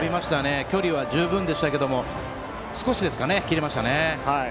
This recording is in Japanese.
距離は十分でしたが少し切れましたね。